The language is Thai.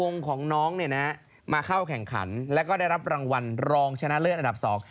ของน้องเนี่ยนะมาเข้าแข่งขันแล้วก็ได้รับรางวัลรองชนะเลิศอันดับสอง